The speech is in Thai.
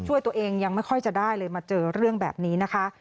ช่วยตัวเองยังไม่ค่อยจะได้เลยมาเจอเรื่องแบบนี้นะคะ